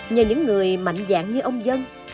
nhờ những người mạnh dạng như ông dân